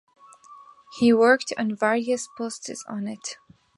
He worked on various posts on it.